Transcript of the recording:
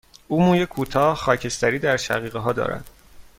او موی کوتاه، خاکستری در شقیقه ها دارد.